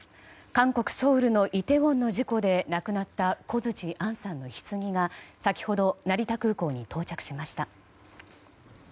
韓国ソウルのイテウォンの事故で亡くなった小槌杏さんのひつぎが先ほど成田空港に到着しました。